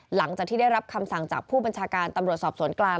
หลังจากที่ได้รับคำสั่งจากผู้บัญชาการตำรวจสอบสวนกลาง